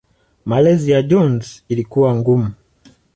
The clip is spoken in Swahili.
Malezi ya Jones ilikuwa ngumu.